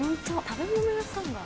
食べ物屋さんが。